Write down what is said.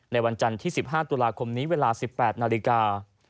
ในวันจันทร์ที่๑๕ตุลาคมนี้เวลา๑๘นาฬิกา